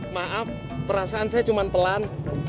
maaf perasaan saya cuma pelan